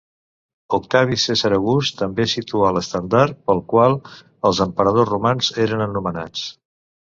Octavi Cèsar August també situà l'estàndard pel qual els Emperadors Romans eren anomenats.